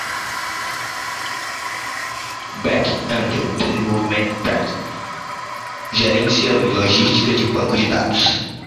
Back-end Development gerencia lógica e banco de dados.